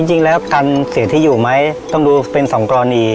จริงแล้วการเสียที่อยู่ไหมต้องดูเป็น๒กรณี